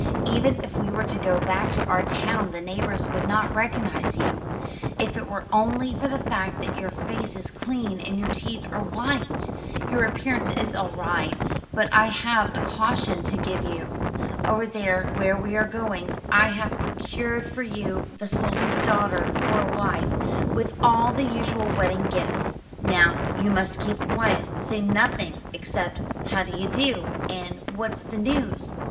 Even if we were to go back to our town the neighbors would not recognize you, if it were only for the fact that your face is clean and your teeth are white. Your appearance is all right, but I have a caution to give you. Over there, where we are going, I have procured for you the sultan's daughter for a wife, with all the usual wedding gifts. Now, you must keep quiet. Say nothing except, 'How d'ye do?' and 'What's the news?'